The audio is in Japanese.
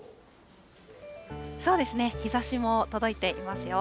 そうですね、日ざしも届いていますよ。